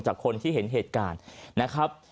จากคนที่เห็นเหตุการณ์นะครับ